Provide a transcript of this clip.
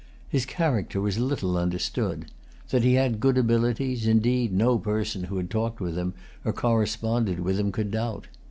His character was little understood. That he had good abilities, indeed, no person who had talked with him, or corresponded with him, could doubt.